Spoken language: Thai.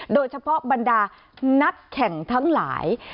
โดยเฉพาะบรรดานักแข่งทั้งหลาย